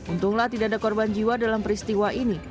untunglah tidak ada korban jiwa dalam peristiwa ini